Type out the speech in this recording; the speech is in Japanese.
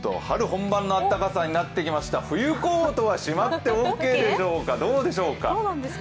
春本番の暖かさになってきました、冬コートはしまってオーケーでしょうか、どうでしょうか？